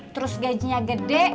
terus gajinya gede